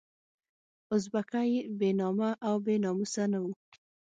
اربکی بې نامه او بې ناموسه نه وو.